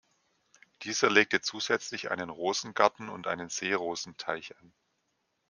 Dieser legte zusätzlich einen Rosengarten und einen Seerosenteich an.